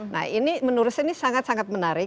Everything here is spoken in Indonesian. nah ini menurut saya ini sangat sangat menarik